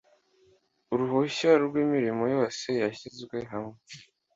Uruhushya rwimirimo yose yashyizwe hamwe